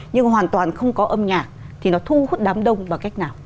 nhưng hoàn toàn không có âm nhạc thì nó thu hút đám đông vào cách nào